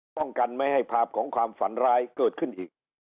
ป้องกันไม่ให้ภาพของความฝันร้ายเกิดขึ้นอีก